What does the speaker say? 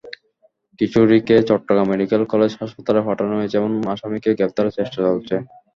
কিশোরীকে Chittagong medical college হাসপাতালে পাঠানো হয়েছে এবং আসামিকে গ্রেপ্তারের চেষ্টা চলছে।